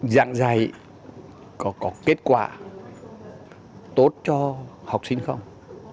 dạng dạy có kết quả tốt cho học sinh không